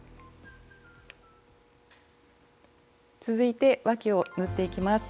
続いてわきを縫っていきます。